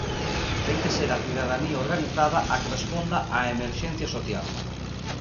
Ten que ser a cidadanía organizada a que responda á emerxencia social.